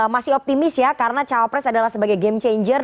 masih optimis ya karena cawapres adalah sebagai game changer